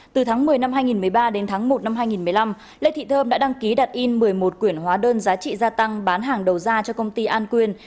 từ tháng một mươi năm hai nghìn một mươi ba đến tháng một năm hai nghìn một mươi năm lê thị thơm đã đăng ký đặt in một mươi một quyển hóa đơn giá trị gia tăng bán hàng đầu ra cho công ty an quyền